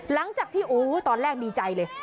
หลังจากที่โอ้ตอนแรกดีใจเลย